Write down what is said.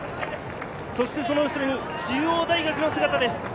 その後ろに中央大学の姿です。